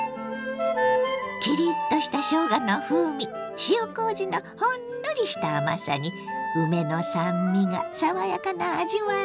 キリッとしたしょうがの風味塩こうじのほんのりした甘さに梅の酸味が爽やかな味わい。